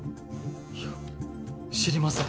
いや知りません。